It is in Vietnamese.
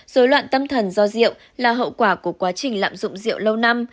dối loạn tâm thần do rượu là hậu quả của quá trình lạm dụng rượu lâu năm